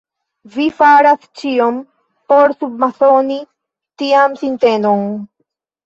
Vi faras ĉion por submasoni tian sintenon.